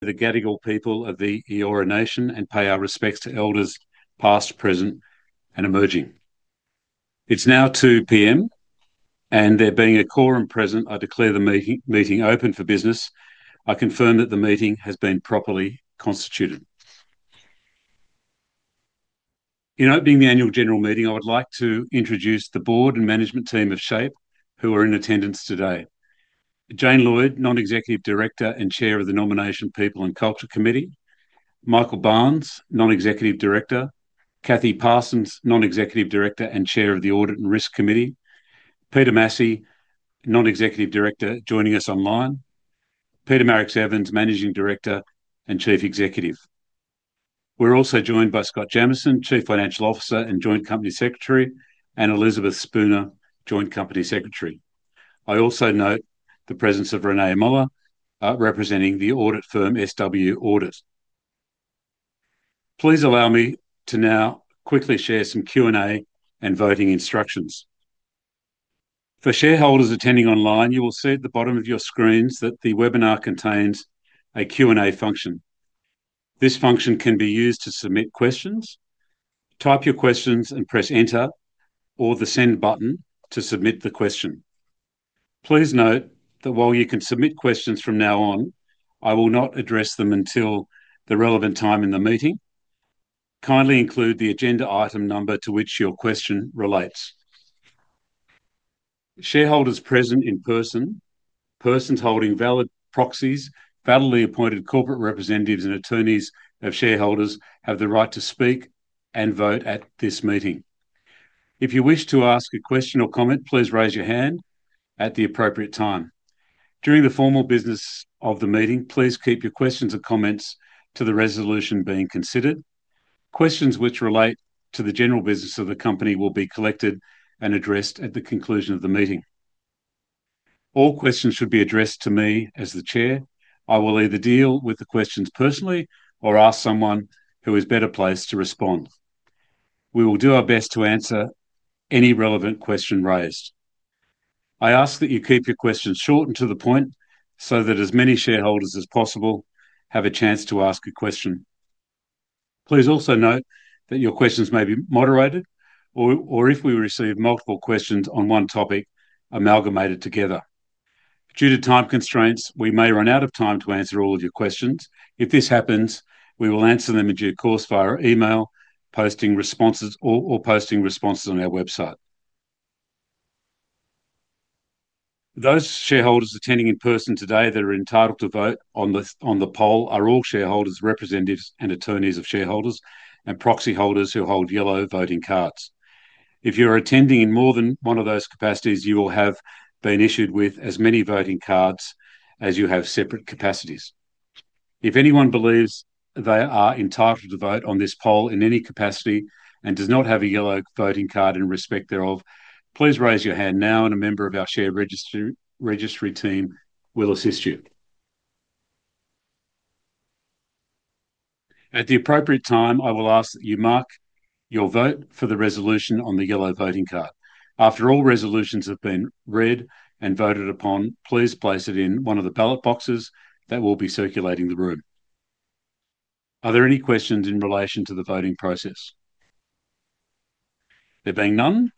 The Gadigal people of the Eora Nation and pay our respects to Elders past, present, and emerging. It's now 2:00 P.M., and there being a quorum present, I declare the meeting open for business. I confirm that the meeting has been properly constituted. In opening the annual general meeting, I would like to introduce the Board and management team of SHAPE, who are in attendance today: Jane Lloyd, Non-Executive Director and Chair of the Nomination People and Culture Committee; Michael Barnes, Non-Executive Director; Kathy Parsons, Non-Executive Director and Chair of the Audit and Risk Committee; Peter Massey, Non-Executive Director, joining us online; Peter Marix-Evans, Managing Director and Chief Executive. We're also joined by Scott Jamieson, Chief Financial Officer and Joint Company Secretary; and Elizabeth Spooner, Joint Company Secretary. I also note the presence of René Muller, representing the audit firm SW Audit. Please allow me to now quickly share some Q&A and voting instructions. For shareholders attending online, you will see at the bottom of your screens that the webinar contains a Q&A function. This function can be used to submit questions, type your questions, and press enter or the send button to submit the question. Please note that while you can submit questions from now on, I will not address them until the relevant time in the meeting. Kindly include the agenda item number to which your question relates. Shareholders present in person, persons holding valid proxies, federally appointed corporate representatives, and attorneys of shareholders have the right to speak and vote at this meeting. If you wish to ask a question or comment, please raise your hand at the appropriate time. During the formal business of the meeting, please keep your questions and comments to the resolution being considered. Questions which relate to the general business of the company will be collected and addressed at the conclusion of the meeting. All questions should be addressed to me as the Chair. I will either deal with the questions personally or ask someone who is better placed to respond. We will do our best to answer any relevant question raised. I ask that you keep your questions short and to the point so that as many shareholders as possible have a chance to ask a question. Please also note that your questions may be moderated or, if we receive multiple questions on one topic, amalgamated together. Due to time constraints, we may run out of time to answer all of your questions. If this happens, we will answer them in due course via email, posting responses, or posting responses on our website. Those shareholders attending in person today that are entitled to vote on the poll are all shareholders, representatives, and attorneys of shareholders, and proxy holders who hold yellow voting cards. If you are attending in more than one of those capacities, you will have been issued with as many voting cards as you have separate capacities. If anyone believes they are entitled to vote on this poll in any capacity and does not have a yellow voting card in respect thereof, please raise your hand now, and a member of our share registry team will assist you. At the appropriate time, I will ask that you mark your vote for the resolution on the yellow voting card. After all resolutions have been read and voted upon, please place it in one of the ballot boxes that will be circulating the room. Are there any questions in relation to the voting process? There being none,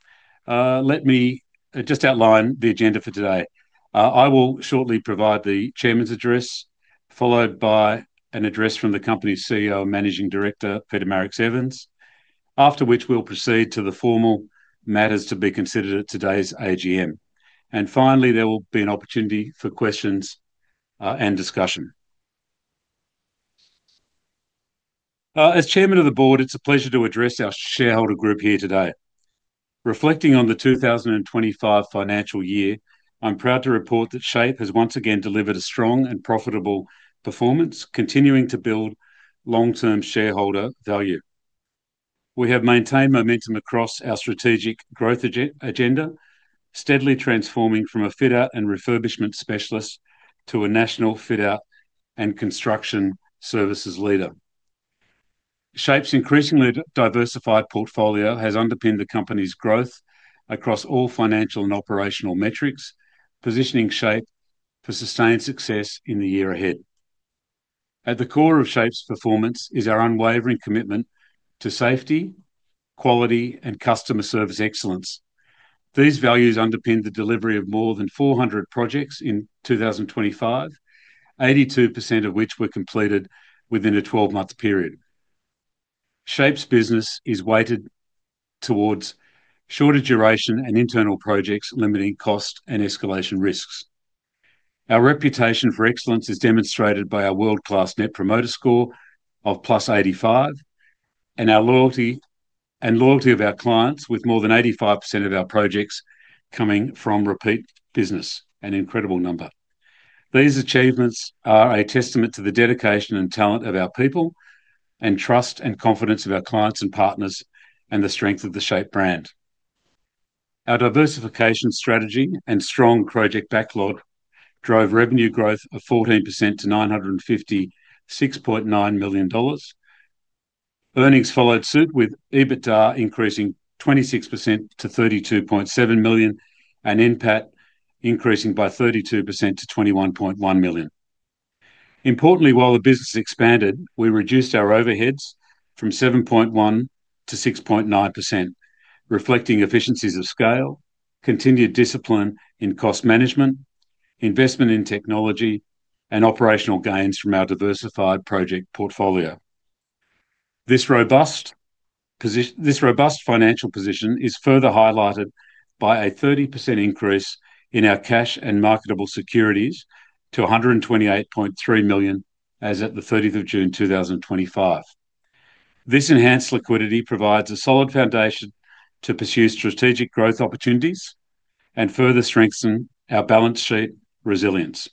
let me just outline the agenda for today. I will shortly provide the Chairman's address, followed by an address from the company's CEO, Managing Director Peter Marix-Evans, after which we'll proceed to the formal matters to be considered at today's AGM. Finally, there will be an opportunity for questions and discussion. As Chairman of the Board, it's a pleasure to address our shareholder group here today. Reflecting on the 2025 financial year, I'm proud to report that SHAPE has once again delivered a strong and profitable performance, continuing to build long-term shareholder value. We have maintained momentum across our strategic growth agenda, steadily transforming from a fitout and refurbishment specialist to a national fitout and construction services leader. SHAPE's increasingly diversified portfolio has underpinned the company's growth across all financial and operational metrics, positioning SHAPE for sustained success in the year ahead. At the core of SHAPE's performance is our unwavering commitment to safety, quality, and customer service excellence. These values underpin the delivery of more than 400 projects in 2025, 82% of which were completed within a 12-month period. SHAPE's business is weighted towards shorter duration and internal projects, limiting cost and escalation risks. Our reputation for excellence is demonstrated by our world-class Net Promoter Score of +85, and our loyalty and loyalty of our clients, with more than 85% of our projects coming from repeat business, an incredible number. These achievements are a testament to the dedication and talent of our people, and trust and confidence of our clients and partners, and the strength of the SHAPE brand. Our diversification strategy and strong project backlog drove revenue growth of 14% to $956.9 million. Earnings followed suit, with EBITDA increasing 26% to $32.7 million, and NPAT increasing by 32% to $21.1 million. Importantly, while the business expanded, we reduced our overheads from 7.1% to 6.9%, reflecting efficiencies of scale, continued discipline in cost management, investment in technology, and operational gains from our diversified project portfolio. This robust financial position is further highlighted by a 30% increase in our cash and marketable securities to $128.3 million as of 30 June 2025. This enhanced liquidity provides a solid foundation to pursue strategic growth opportunities and further strengthen our balance sheet resilience.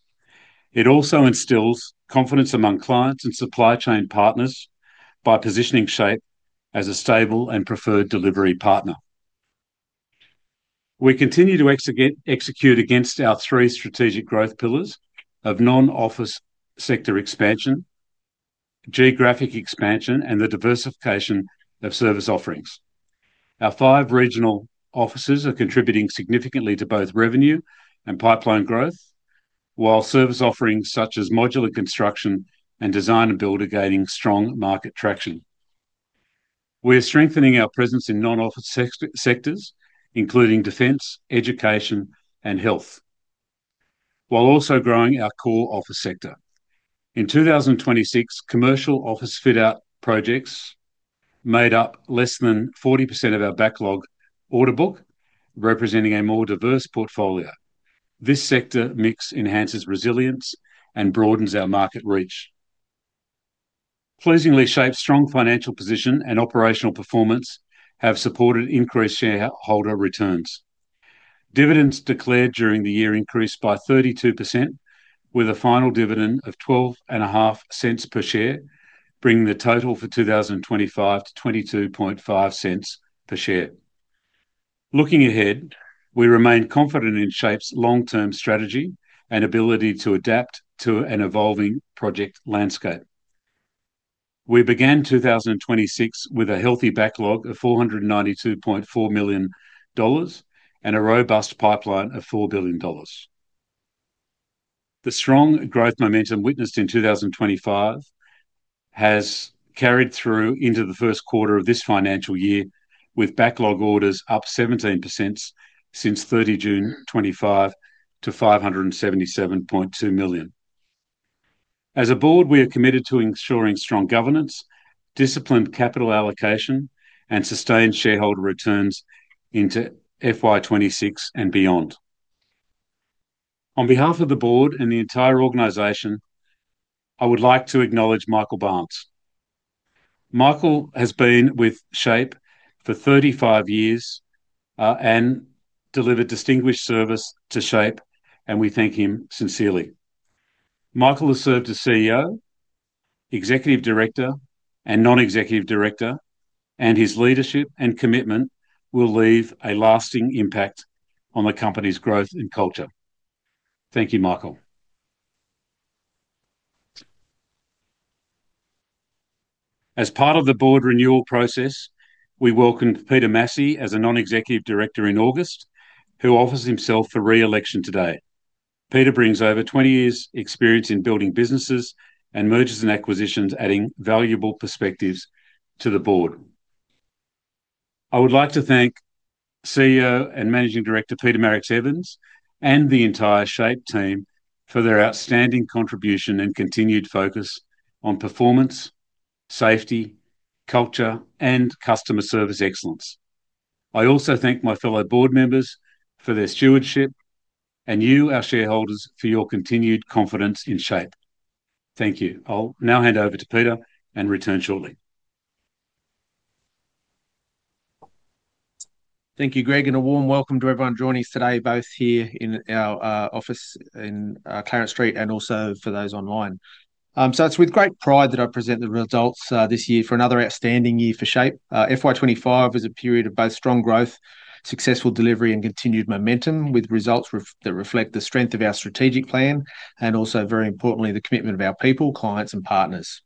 It also instills confidence among clients and supply chain partners by positioning SHAPE as a stable and preferred delivery partner. We continue to execute against our three strategic growth pillars of non-office sector expansion, geographic expansion, and the diversification of service offerings. Our five regional offices are contributing significantly to both revenue and pipeline growth, while service offerings such as modular construction and design and build are gaining strong market traction. We are strengthening our presence in non-office sectors, including defence, education, and health, while also growing our core office sector. In 2026, commercial office fit-out projects made up less than 40% of our backlog order book, representing a more diverse portfolio. This sector mix enhances resilience and broadens our market reach. Pleasingly, SHAPE's strong financial position and operational performance have supported increased shareholder returns. Dividends declared during the year increased by 32%, with a final dividend of $0.125 per share, bringing the total for 2025 to $0.225 per share. Looking ahead, we remain confident in SHAPE's long-term strategy and ability to adapt to an evolving project landscape. We began 2026 with a healthy backlog of $492.4 million and a robust pipeline of $4 billion. The strong growth momentum witnessed in 2025 has carried through into the first quarter of this financial year, with backlog orders up 17% since 30 June 2025 to $577.2 million. As a Board, we are committed to ensuring strong governance, disciplined capital allocation, and sustained shareholder returns into FY2026 and beyond. On behalf of the Board and the entire organization, I would like to acknowledge Michael Barnes. Michael has been with SHAPE for 35 years and delivered distinguished service to SHAPE, and we thank him sincerely. Michael has served as CEO, Executive Director, and Non-Executive Director, and his leadership and commitment will leave a lasting impact on the company's growth and culture. Thank you, Michael. As part of the Board renewal process, we welcomed Peter Massey as a Non-Executive Director in August, who offers himself for re-election today. Peter brings over 20 years' experience in building businesses and mergers and acquisitions, adding valuable perspectives to the Board. I would like to thank CEO and Managing Director Peter Marix-Evans and the entire SHAPE team for their outstanding contribution and continued focus on performance, safety, culture, and customer service excellence. I also thank my fellow Board members for their stewardship, and you, our shareholders, for your continued confidence in SHAPE. Thank you. I'll now hand over to Peter and return shortly. Thank you, Greg, and a warm welcome to everyone joining us today, both here in our office in Claret Street and also for those online. It's with great pride that I present the results this year for another outstanding year for SHAPE. FY2025 was a period of both strong growth, successful delivery, and continued momentum, with results that reflect the strength of our strategic plan and also, very importantly, the commitment of our people, clients, and partners.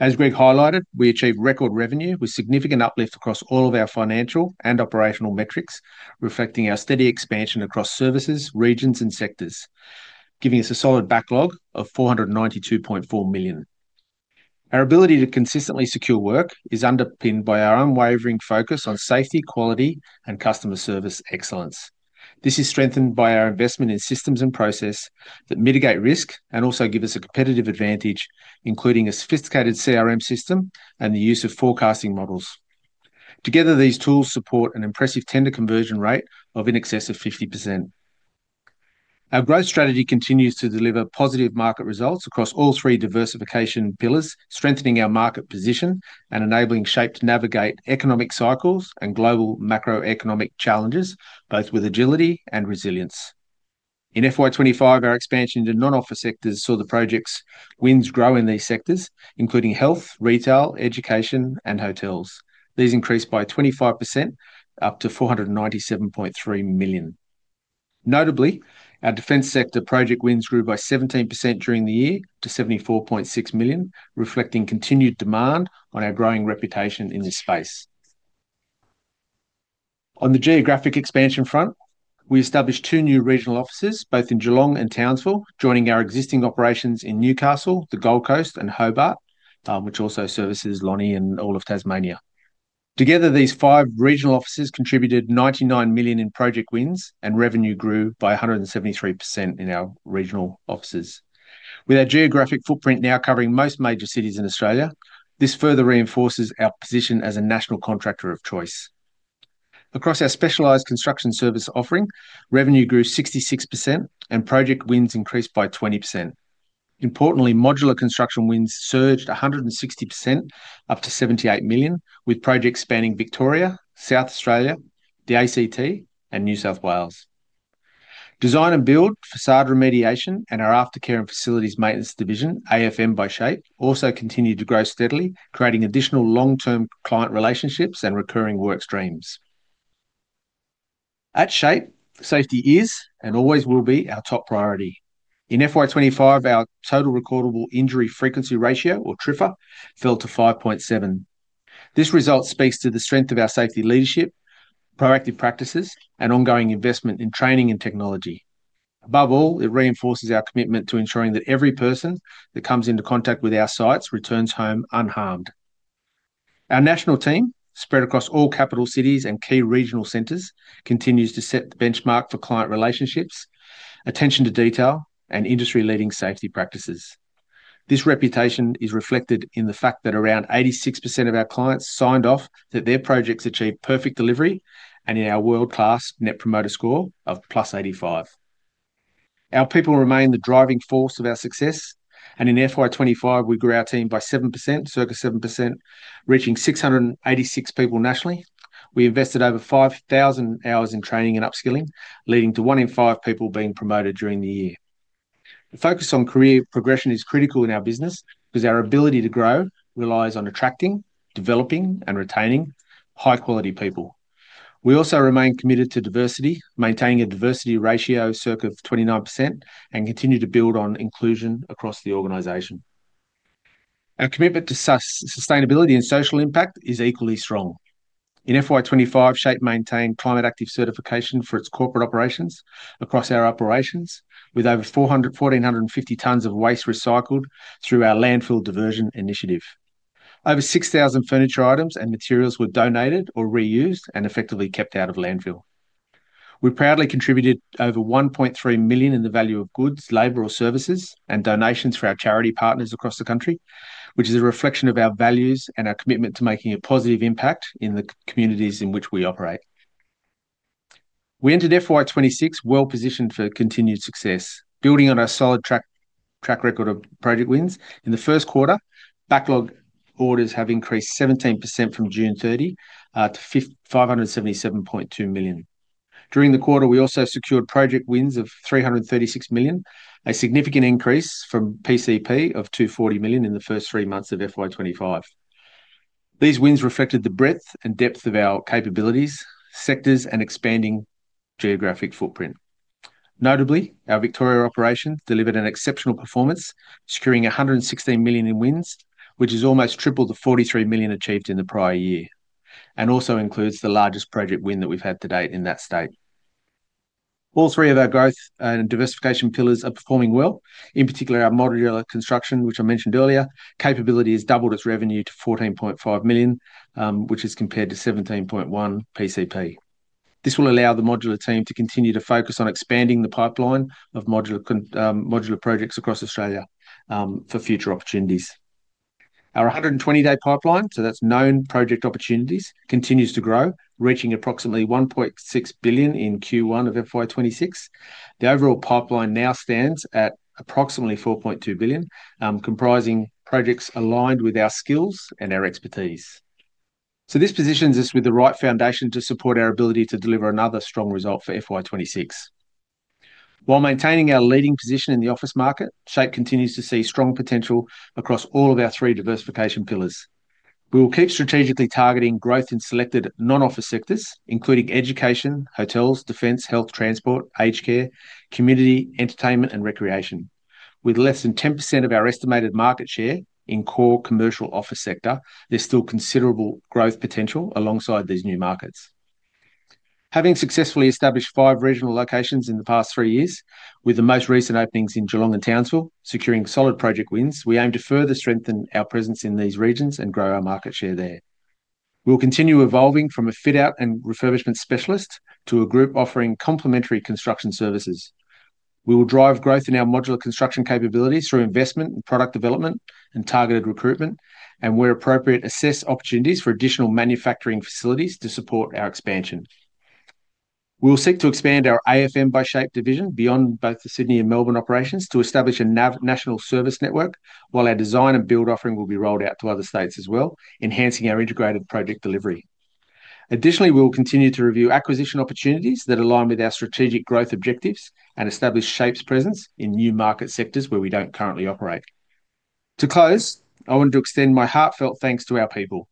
As Greg highlighted, we achieved record revenue with significant uplift across all of our financial and operational metrics, reflecting our steady expansion across services, regions, and sectors, giving us a solid backlog of $492.4 million. Our ability to consistently secure work is underpinned by our unwavering focus on safety, quality, and customer service excellence. This is strengthened by our investment in systems and processes that mitigate risk and also give us a competitive advantage, including a sophisticated CRM system and the use of forecasting models. Together, these tools support an impressive tender conversion rate of in excess of 50%. Our growth strategy continues to deliver positive market results across all three diversification pillars, strengthening our market position and enabling SHAPE to navigate economic cycles and global macroeconomic challenges, both with agility and resilience. In FY2025, our expansion to non-office sectors saw the project's wins grow in these sectors, including health, retail, education, and hotels. These increased by 25%, up to $497.3 million. Notably, our defence sector project wins grew by 17% during the year, to $74.6 million, reflecting continued demand on our growing reputation in this space. On the geographic expansion front, we established two new regional offices, both in Geelong and Townsville, joining our existing operations in Newcastle, the Gold Coast, and Hobart, which also services Lonnie and all of Tasmania. Together, these five regional offices contributed $99 million in project wins, and revenue grew by 173% in our regional offices. With our geographic footprint now covering most major cities in Australia, this further reinforces our position as a national contractor of choice. Across our specialised construction service offering, revenue grew 66%, and project wins increased by 20%. Importantly, modular construction wins surged 160%, up to $78 million, with projects spanning Victoria, South Australia, the ACT, and New South Wales. Design and build, façade remediation, and our aftercare and facilities maintenance division, AFM by SHAPE, also continue to grow steadily, creating additional long-term client relationships and recurring work streams. At SHAPE, safety is and always will be our top priority. In FY2025, our total recordable injury frequency ratio, or TRIFA, fell to 5.7%. This result speaks to the strength of our safety leadership, proactive practices, and ongoing investment in training and technology. Above all, it reinforces our commitment to ensuring that every person that comes into contact with our sites returns home unharmed. Our national team, spread across all capital cities and key regional centers, continues to set the benchmark for client relationships, attention to detail, and industry-leading safety practices. This reputation is reflected in the fact that around 86% of our clients signed off that their projects achieved perfect delivery and in our world-class Net Promoter Score of +85. Our people remain the driving force of our success, and in FY2025, we grew our team by 7%, circa 7%, reaching 686 people nationally. We invested over 5,000 hours in training and upskilling, leading to one in five people being promoted during the year. The focus on career progression is critical in our business because our ability to grow relies on attracting, developing, and retaining high-quality people. We also remain committed to diversity, maintaining a diversity ratio of circa 29%, and continue to build on inclusion across the organization. Our commitment to sustainability and social impact is equally strong. In FY2025, SHAPE maintained climate-active certification for its corporate operations across our operations, with over 1,450 tonnes of waste recycled through our landfill diversion initiative. Over 6,000 furniture items and materials were donated or reused and effectively kept out of landfill. We proudly contributed over $1.3 million in the value of goods, labor, or services, and donations for our charity partners across the country, which is a reflection of our values and our commitment to making a positive impact in the communities in which we operate. We entered FY2026 well-positioned for continued success, building on our solid track record of project wins. In the first quarter, backlog orders have increased 17% from June 30 to $577.2 million. During the quarter, we also secured project wins of $336 million, a significant increase from PCP of $240 million in the first three months of FY2025. These wins reflected the breadth and depth of our capabilities, sectors, and expanding geographic footprint. Notably, our Victoria operation delivered an exceptional performance, securing $116 million in wins, which is almost triple the $43 million achieved in the prior year, and also includes the largest project win that we've had to date in that state. All three of our growth and diversification pillars are performing well. In particular, our modular construction, which I mentioned earlier, capability has doubled its revenue to $14.5 million, which is compared to $17.1 million PCP. This will allow the modular team to continue to focus on expanding the pipeline of modular projects across Australia for future opportunities. Our 120-day pipeline, so that's known project opportunities, continues to grow, reaching approximately $1.6 billion in Q1 of FY2026. The overall pipeline now stands at approximately $4.2 billion, comprising projects aligned with our skills and our expertise. This positions us with the right foundation to support our ability to deliver another strong result for FY2026. While maintaining our leading position in the office market, SHAPE continues to see strong potential across all of our three diversification pillars. We will keep strategically targeting growth in selected non-office sectors, including education, hotels, defence, health, transport, aged care, community, entertainment, and recreation. With less than 10% of our estimated market share in core commercial office sector, there's still considerable growth potential alongside these new markets. Having successfully established five regional locations in the past three years, with the most recent openings in Geelong and Townsville securing solid project wins, we aim to further strengthen our presence in these regions and grow our market share there. We'll continue evolving from a fitout and refurbishment specialist to a group offering complementary construction services. We will drive growth in our modular construction capabilities through investment and product development and targeted recruitment, and where appropriate, assess opportunities for additional manufacturing facilities to support our expansion. We'll seek to expand our AFM by SHAPE division beyond both the Sydney and Melbourne operations to establish a national service network, while our design and build offering will be rolled out to other states as well, enhancing our integrated project delivery. Additionally, we'll continue to review acquisition opportunities that align with our strategic growth objectives and establish SHAPE's presence in new market sectors where we don't currently operate. To close, I want to extend my heartfelt thanks to our people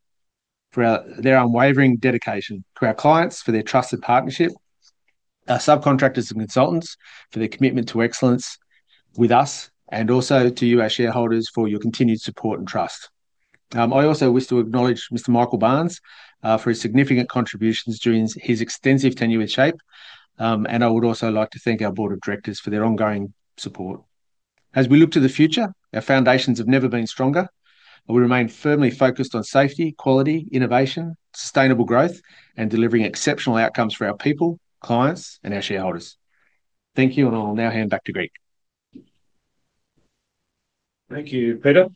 for their unwavering dedication, to our clients for their trusted partnership, our subcontractors and consultants for their commitment to excellence with us, and also to you, our shareholders, for your continued support and trust. I also wish to acknowledge Mr. Michael Barnes for his significant contributions during his extensive tenure with SHAPE, and I would also like to thank our Board of Directors for their ongoing support. As we look to the future, our foundations have never been stronger, and we remain firmly focused on safety, quality, innovation, sustainable growth, and delivering exceptional outcomes for our people, clients, and our shareholders. Thank you, and I'll now hand back to Greg. Thank you, Peter.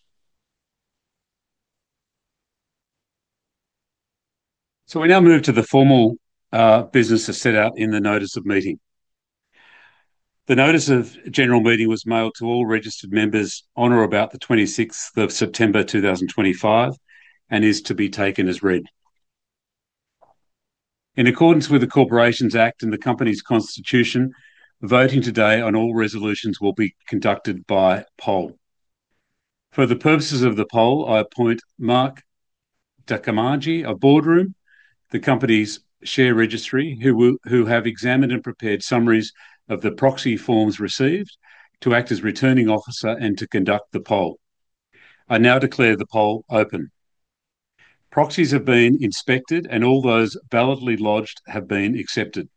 We now move to the formal business as set out in the notice of meeting. The notice of general meeting was mailed to all registered members on or about the 26th of September 2025 and is to be taken as read. In accordance with the Corporations Act and the company's constitution, voting today on all resolutions will be conducted by poll. For the purposes of the poll, I appoint Mark Takamaji of Boardroom, the company's share registry, who have examined and prepared summaries of the proxy forms received, to act as returning officer and to conduct the poll. I now declare the poll open. Proxies have been inspected and all those validly lodged have been accepted.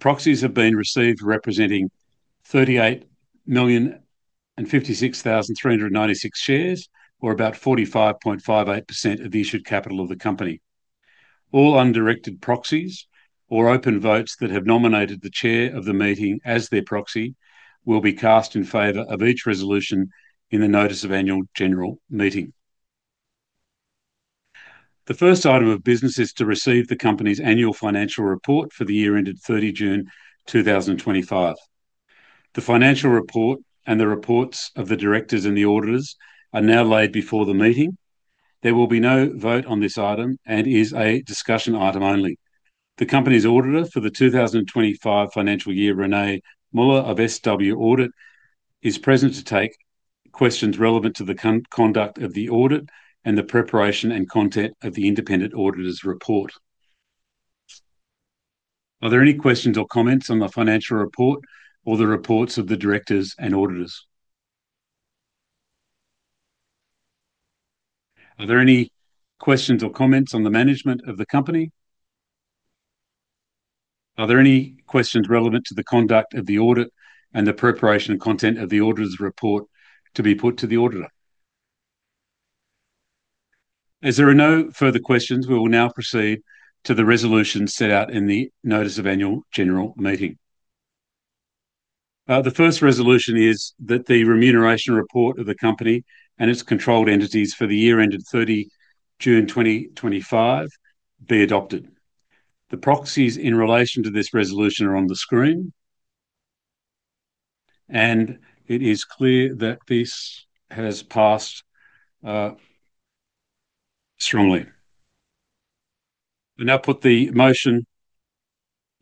Proxies have been received representing 38,056,396 shares, or about 45.58% of the issued capital of the company. All undirected proxies or open votes that have nominated the Chair of the meeting as their proxy will be cast in favor of each resolution in the notice of annual general meeting. The first item of business is to receive the company's annual financial report for the year ended 30 June 2025. The financial report and the reports of the directors and the auditors are now laid before the meeting. There will be no vote on this item; it is a discussion item only. The company's auditor for the 2025 financial year, René Muller of SW Audit, is present to take questions relevant to the conduct of the audit and the preparation and content of the independent auditor's report. Are there any questions or comments on the financial report or the reports of the directors and auditors? Are there any questions or comments on the management of the company? Are there any questions relevant to the conduct of the audit and the preparation and content of the auditor's report to be put to the auditor? As there are no further questions, we will now proceed to the resolutions set out in the notice of annual general meeting. The first resolution is that the remuneration report of the company and its controlled entities for the year ended 30 June 2025 be adopted. The proxies in relation to this resolution are on the screen, and it is clear that this has passed strongly. I now put the motion.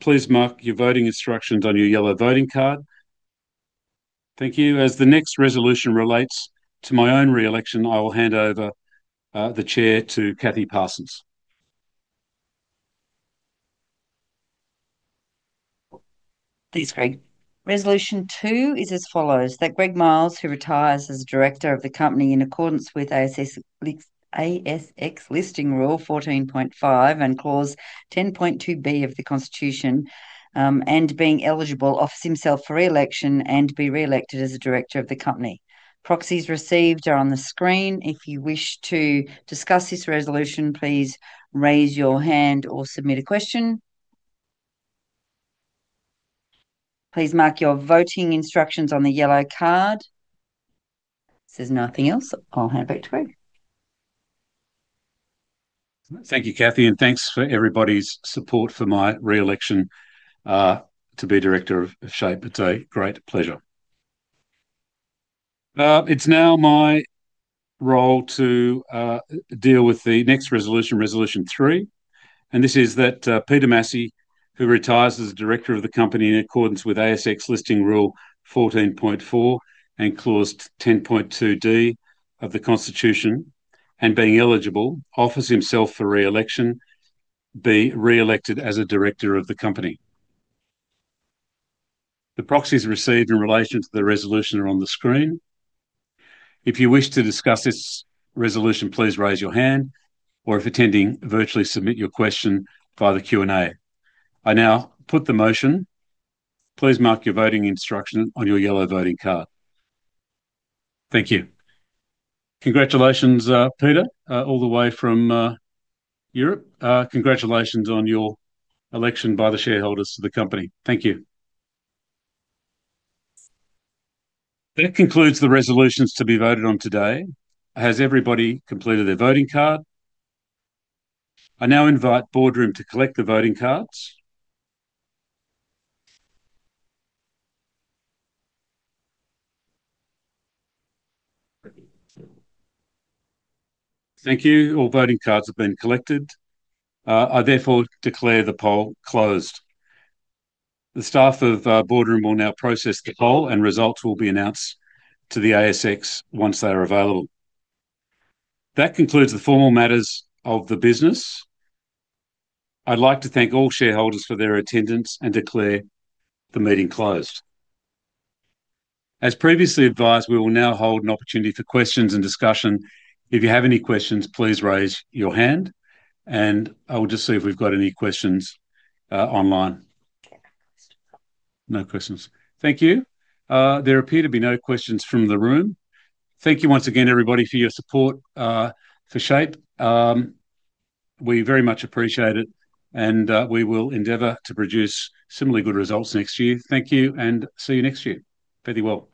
Please mark your voting instructions on your yellow voting card. Thank you. As the next resolution relates to my own re-election, I will hand over the Chair to Kathy Parsons. Thanks, Greg. Resolution 2 is as follows: that Greg Miles, who retires as a Director of the company in accordance with ASX Listing Rule 14.5 and clause 10.2B of the Constitution, and being eligible, offers himself for re-election and be re-elected as a Director of the company. Proxies received are on the screen. If you wish to discuss this resolution, please raise your hand or submit a question. Please mark your voting instructions on the yellow card. If there's nothing else, I'll hand back to Greg. Thank you, Kathy, and thanks for everybody's support for my re-election to be Director of SHAPE. It's a great pleasure. It's now my role to deal with the next resolution, Resolution 3, and this is that Peter Massey, who retires as a Director of the company in accordance with ASX Listing Rule 14.4 and clause 10.2D of the Constitution, and being eligible, offers himself for re-election, be re-elected as a Director of the company. The proxies received in relation to the resolution are on the screen. If you wish to discuss this resolution, please raise your hand, or if attending virtually, submit your question via the Q&A. I now put the motion. Please mark your voting instruction on your yellow voting card. Thank you. Congratulations, Peter, all the way from Europe. Congratulations on your election by the shareholders to the company. Thank you. That concludes the resolutions to be voted on today. Has everybody completed their voting card? I now invite Boardroom to collect the voting cards. Thank you. All voting cards have been collected. I therefore declare the poll closed. The staff of Boardroom will now process the poll, and results will be announced to the ASX once they are available. That concludes the formal matters of the business. I'd like to thank all shareholders for their attendance and declare the meeting closed. As previously advised, we will now hold an opportunity for questions and discussion. If you have any questions, please raise your hand, and I will just see if we've got any questions online. No questions. Thank you. There appear to be no questions from the room. Thank you once again, everybody, for your support for SHAPE. We very much appreciate it, and we will endeavour to produce similarly good results next year. Thank you, and see you next year. Be well.